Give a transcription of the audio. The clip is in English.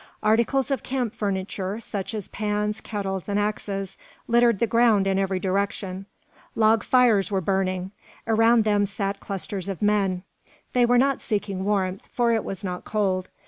Articles of camp furniture, such as pans, kettles, and axes, littered the ground in every direction. Log fires were burning. Around them sat clusters of men. They were not seeking warmth, for it was not cold.